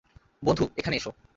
বন্ধু, এখানে এসো।